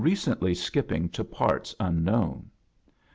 cently skipping to parts unknown.